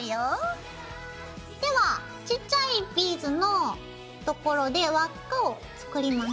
ではちっちゃいビーズの所で輪っかを作ります。